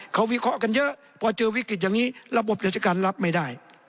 เขาวิเคราะห์กันเยอะพอเจอวิกฤตอย่างนี้ระบบราชการรับไม่ได้